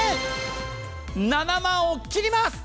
７万を切ります。